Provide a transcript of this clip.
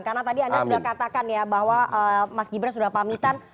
karena tadi anda sudah katakan ya bahwa mas gibran sudah pamitan